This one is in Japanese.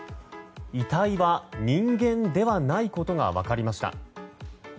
遺体は人間ではないことが分かりました。